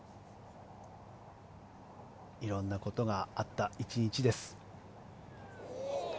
色んなことがあった１日です。